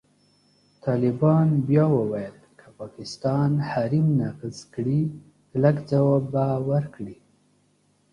طالبان بیا وویل، که پاکستان حریم نقض کړي، کلک ځواب به ورکړي.